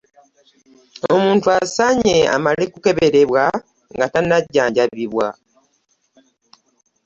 Omuntu asaanye amale kukeberebwa nga tannajjanjabibwa.